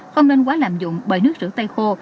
không nên quá lạm dụng bởi nước rửa tay khô